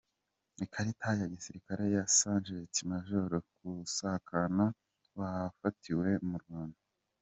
Ikarita ya gisirikare ya Sgt Maj Kusakana wafatiwe mu Rwanda.